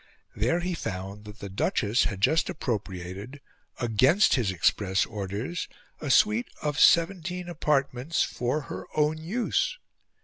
There he found that the Duchess had just appropriated, against his express orders, a suite of seventeen apartments for her own use.